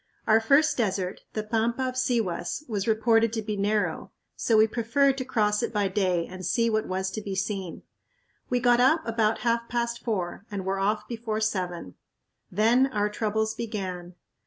Our first desert, the pampa of Sihuas, was reported to be narrow, so we preferred to cross it by day and see what was to be seen. We got up about half past four and were off before seven. Then our troubles began.